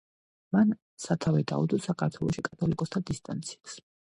მან სათავე დაუდო საქართველოში კათოლიკოსთა დინასტიას.